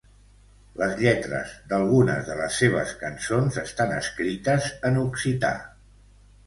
Les lletres d'algunes de les seves cançons estan escrites en occità.